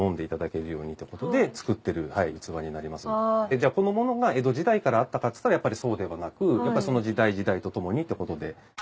じゃこのものが江戸時代からあったかっつったらやっぱりそうではなくやっぱりその時代時代とともにってことで。